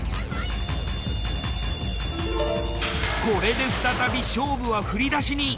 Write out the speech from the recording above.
これで再び勝負は振り出しに。